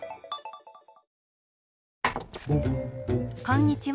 こんにちは。